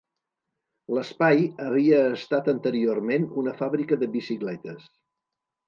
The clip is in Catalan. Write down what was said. L'espai havia estat anteriorment una fàbrica de bicicletes.